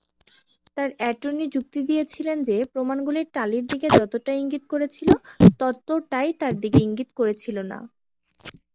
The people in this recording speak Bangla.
তার অ্যাটর্নি যুক্তি দিয়েছিলেন যে প্রমাণগুলি টালির দিকে যতটা ইঙ্গিত করেছিল ততটাই তার দিকে ইঙ্গিত করেছিল না।